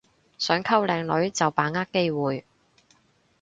想溝靚女就把握機會